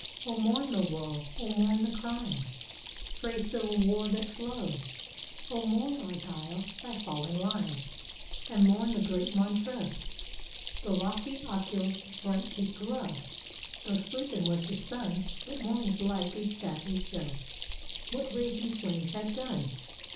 Oh, mourn the woe! oh, mourn the crime Frae civil war that flows! Oh, mourn, Argyll, thy fallen line, And mourn the great Montrose! The lofty Ochils bright did glow, Though sleepin' was the sun; But mornin's light did sadly show What ragin' flames had done!